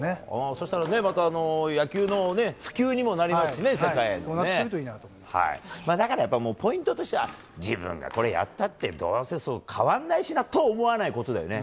そうしたら、また野球の普及そうなってくるといいなと思ポイントとしては、自分がこれやったって、どうせ、そんな変わんないしなって思わないことですよね。